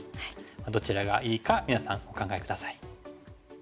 どちらがいいか皆さんお考え下さい。